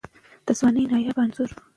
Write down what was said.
د ځوانۍ نایابه انځور